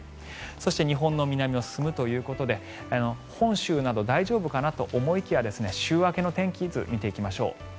そして日本の南を進むということで本州など大丈夫かなと思いきや週明けの天気図を見ていきましょう。